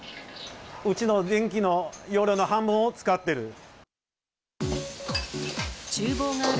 うちの電気の容量の半分を使ってる。